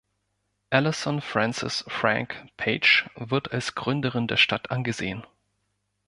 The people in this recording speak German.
Allison Francis „Frank“ Page wird als Gründerin der Stadt angesehen.